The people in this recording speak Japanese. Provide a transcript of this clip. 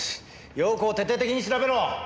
容子を徹底的に調べろ！